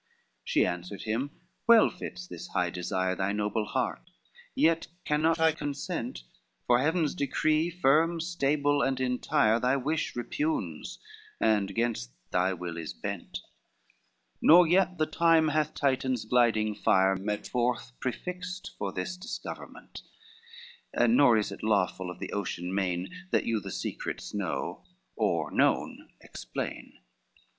XXXIX She answered him, "Well fits this high desire Thy noble heart, yet cannot I consent; For Heaven's decree, firm, stable, and entire, Thy wish repugns, and gainst thy will is bent, Nor yet the time hath Titan's gliding fire Met forth, prefixed for this discoverment, Nor is it lawful of the ocean main That you the secrets know, or known explain.